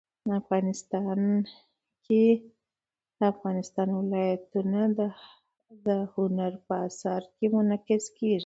افغانستان کې د افغانستان ولايتونه د هنر په اثار کې منعکس کېږي.